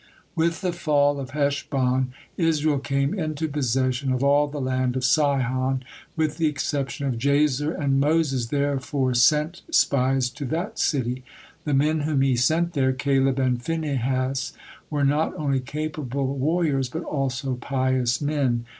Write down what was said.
With the fall of Heshbon Israel came into possession of all the land of Sihon, with the exception of Jazer, and Moses therefore sent spies to that city. The men whom he sent there, Caleb and Phinehas, were not only capable warriors, but also pious men.